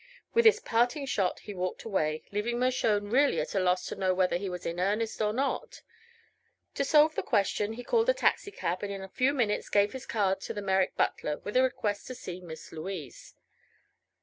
With this parting shot he walked away, leaving Mershone really at a loss to know whether he was in earnest or not. To solve the question he called a taxicab and in a few minutes gave his card to the Merrick butler with a request to see Miss Louise.